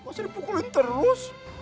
pasti dipukulin terus